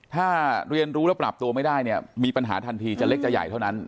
ถ้าเรียนรู้แล้วปรับตัวไม่ได้เนี่ยมีปัญหาทันทีจะเล็กจะใหญ่เท่านั้น